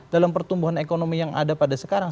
dalam pertumbuhan ekonomi yang ada pada sekarang